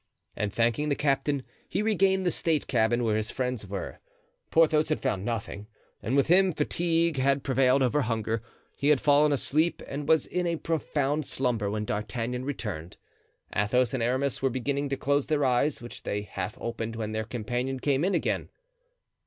And thanking the captain, he regained the state cabin, where his friends were. Porthos had found nothing, and with him fatigue had prevailed over hunger. He had fallen asleep and was in a profound slumber when D'Artagnan returned. Athos and Aramis were beginning to close their eyes, which they half opened when their companion came in again.